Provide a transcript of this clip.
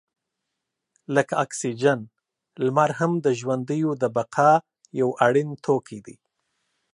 لکه اکسیجن، لمر هم د ژوندیو د بقا یو اړین توکی دی.